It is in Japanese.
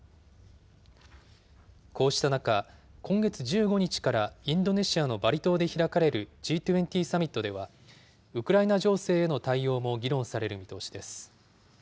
こうした中、今月１５日からインドネシアのバリ島で開かれるＧ２０サミットでは、ウクライナ情勢への対応も議論される見通しです。